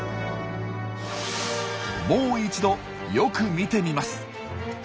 もう一度よく見てみます。